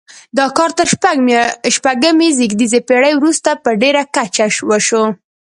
دا کار تر شپږمې زېږدیزې پیړۍ وروسته په ډیره کچه وشو.